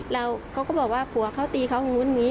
แล้วเขาก็บอกว่าผัวเขาตีเขาตรงนู้นอย่างนี้